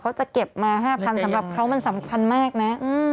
จะเก็บมา๕๐๐๐สำหรับเขามันสำคัญมากนะ